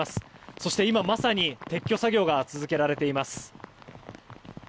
そして、今まさに撤去作業が続けられています。